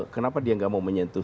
kenapa dia nggak mau menyentuh